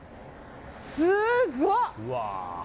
すごい。